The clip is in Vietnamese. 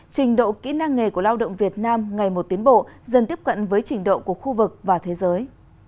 trình độ kỹ năng nghề của lao động việt nam ngày một tiến bộ dần tiếp cận với trình độ của khu vực và thế giới